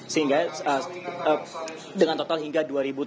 sehingga dengan total hingga dua ribu tujuh belas